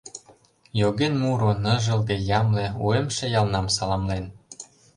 Йоген муро, ныжылге, ямле, Уэмше ялнам саламлен.